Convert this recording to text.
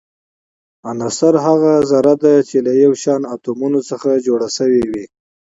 عنصر هغه ذره ده چي له يو شان اتومونو څخه جوړ سوی وي.